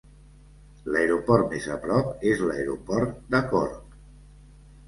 L'aeroport més a prop és l'aeroport de Cork.